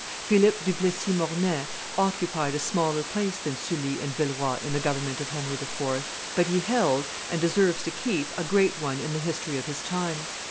Philip du Plessis Mornay occupied a smaller place than Sully and Villeroi in the government of Henry IV.; but he held and deserves to keep a great one in the history of his times.